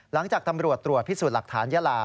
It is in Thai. หลังจากตำรวจตรวจพิสูจน์หลักฐานยาลา